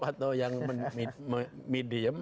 atau yang medium